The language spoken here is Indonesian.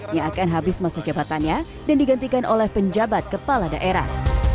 yang akan habis masa jabatannya dan digantikan oleh penjabat kepala daerah